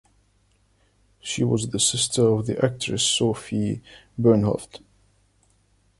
She was the sister of the actress Sofie Bernhoft.